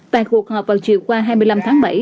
tại cuộc họp vào chiều qua hai mươi năm tháng bảy